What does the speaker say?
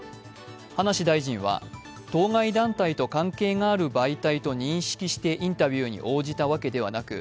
葉梨大臣は、当該団体と関係がある媒体と認識してインタビューに応じたわけではなく、